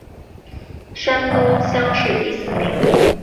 山东乡试第四名。